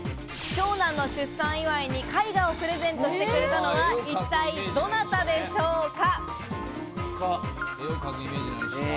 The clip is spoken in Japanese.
長男の出産祝いに絵画をプレゼントしてくれたのは一体どなたでしょうか。